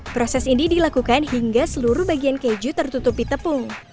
proses ini dilakukan hingga seluruh bagian keju tertutupi tepung